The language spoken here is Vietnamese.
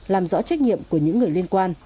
làm rõ trách nhiệm của những người liên quan